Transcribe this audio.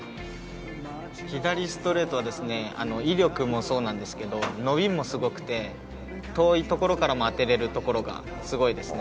左ストレートはですね、威力もそうなんですけれども、伸びもすごくて、遠いところからも当てれるところがすごいですね。